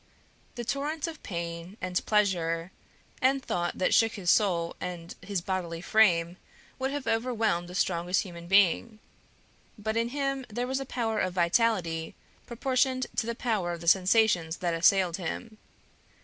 The torrents of pain, and pleasure, and thought that shook his soul and his bodily frame would have overwhelmed the strongest human being; but in him there was a power of vitality proportioned to the power of the sensations that assailed him.